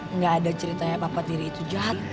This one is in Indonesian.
enggak ada ceritanya papa tiri itu jahat